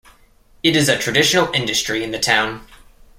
It is a traditional industry in the town.